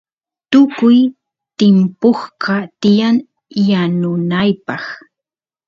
tukuy timpusqa tiyan yanunapaq